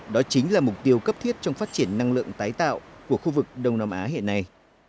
đó chính là mục tiêu cấp thiết trong phát triển năng lượng tái tạo của khu vực đông nam á hiện nay